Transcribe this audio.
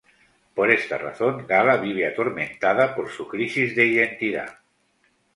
Por esta razón, Gala vive atormentada por su crisis de identidad.